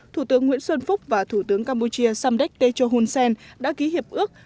thủ tướng nguyễn xuân phúc và thủ tướng campuchia samdek techo hun sen đã ký hiệp ước